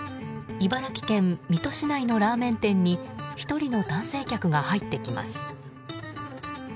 茨城県水戸市内のラーメン店に１人の男性客が入ってきます。